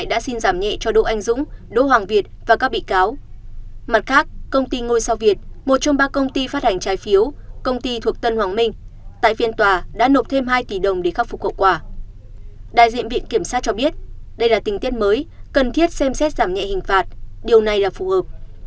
đại diện viện kiểm sát cho biết đây là tình tiết mới cần thiết xem xét giảm nhẹ hình phạt điều này là phù hợp